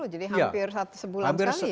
empat puluh jadi hampir sebulan sekali